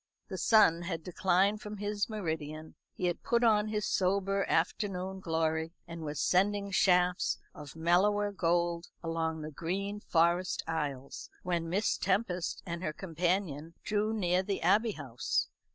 The sun had declined from his meridian; he had put on his sober afternoon glory, and was sending shafts of mellower gold along the green forest aisles, when Miss Tempest and her companion drew near the Abbey House.